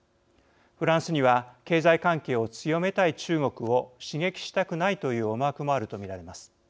フランスには経済関係を強めたい中国を刺激したくないという思惑もあると見られます。